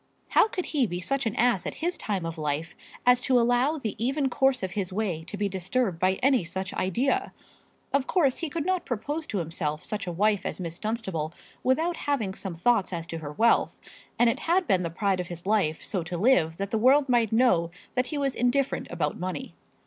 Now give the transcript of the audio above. How could he be such an ass at his time of life as to allow the even course of his way to be disturbed by any such idea? Of course he could not propose to himself such a wife as Miss Dunstable without having some thoughts as to her wealth; and it had been the pride of his life so to live that the world might know that he was indifferent about money.